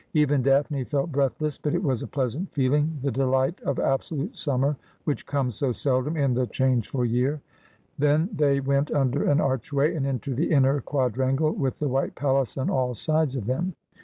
Even Daphne felt breathless, but it was a pleasant feeling, the delight of absolute summer, which comes so seldom in the changeful year. Then they went under an archway, and into the inner quadrangle, with the white palace on all sides of them.